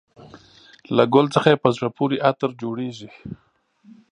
له ګل څخه یې په زړه پورې عطر جوړېږي.